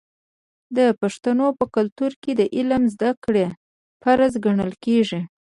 د پښتنو په کلتور کې د علم زده کړه فرض ګڼل کیږي.